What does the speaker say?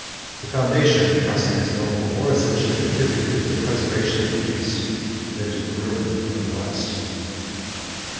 The foundation of Constantinople more essentially contributed to the preservation of the East, than to the ruin of the West.